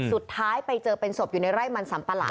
สุดท้ายไปเจอเป็นศพอยู่ในไร่มันสัมปะหลัง